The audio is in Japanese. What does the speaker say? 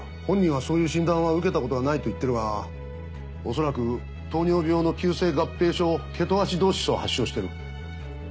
本人はそういう診断は受けたことはないと言ってるがおそらく糖尿病の急性合併症ケトアシドーシスを発症してる。